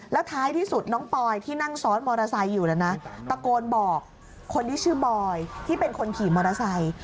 แล้วท้ายที่สุดน้องปอยที่นั่งซ้อนมอเตอร์ไซค์อยู่แล้วนะตะโกนบอกคนที่ชื่อบอยที่เป็นคนขี่มอเตอร์ไซค์